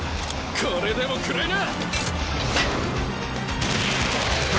これでも食らいな！